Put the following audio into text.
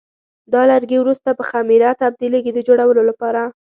دا لرګي وروسته په خمېره تبدیلېږي د جوړولو لپاره.